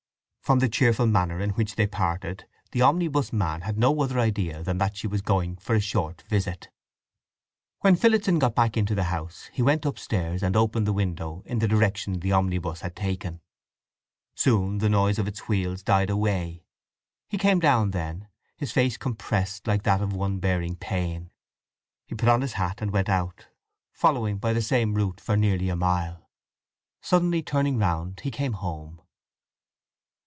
From the cheerful manner in which they parted the omnibus man had no other idea than that she was going for a short visit. When Phillotson got back into the house he went upstairs and opened the window in the direction the omnibus had taken. Soon the noise of its wheels died away. He came down then, his face compressed like that of one bearing pain; he put on his hat and went out, following by the same route for nearly a mile. Suddenly turning round he came home.